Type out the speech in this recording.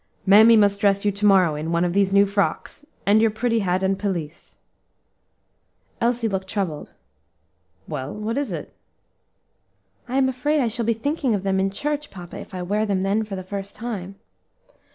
"Mammy must dress you to morrow in one of these new frocks, and your pretty hat and pelisse." Elsie looked troubled. "Well, what is it?" he asked. "I am afraid I shall be thinking of them in church, papa, if I wear them then for the first time."